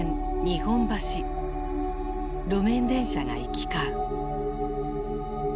路面電車が行き交う。